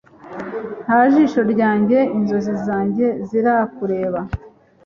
Nta jisho ryanjye inzozi zanjye zirakureba